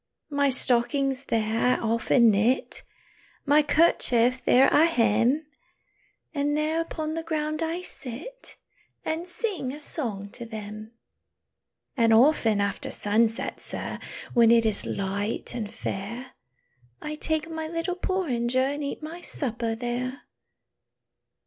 "My stockings there I often knit, My kerchief there I hem; And there upon the ground I sit, And sing a song to them. "And often after sunset, sir, When it is light and fair, I take my little porringer, And eat my supper there.